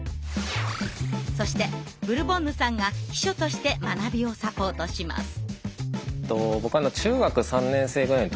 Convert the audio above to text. そしてブルボンヌさんが秘書として学びをサポートします。